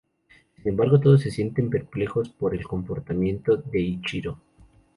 Sin embargo todos se sienten perplejos por el comportamiento de Ichiro.